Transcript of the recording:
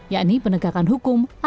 yakni penegakan hukum adil dan merata